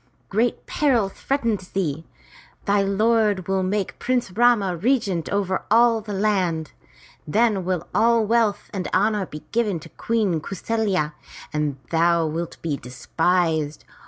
'' Great peril threatens thee. Thy lord will make Prince Rama regent over all the land! Then will all wealth and honor be given to Queen Kau saFya, and thou wilt be despised.